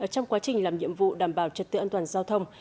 trong quá trình làm nhiệm vụ đảm bảo trật tự an toàn giao thông